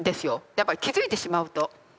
やっぱり気付いてしまうと。